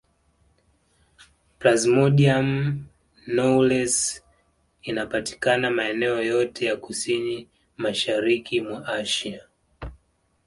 Plasmodium knowlesi anapatikana maeneo yote ya kusini mashariki mwa Asia